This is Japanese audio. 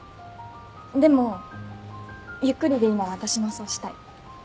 でもゆっくりでいいなら私もそうしたい。